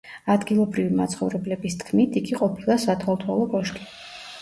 ადგილობრივი მაცხოვრებლების თქმით იგი ყოფილა სათვალთვალო კოშკი.